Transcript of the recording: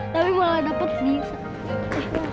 tapi malah dapat pelihasaan